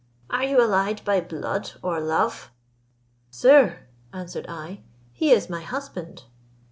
Are you allied by blood or love?" "Sir," answered I, "he is my husband."